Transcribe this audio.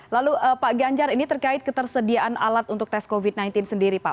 lalu pak ganjar ini terkait ketersediaan alat untuk tes covid sembilan belas sendiri pak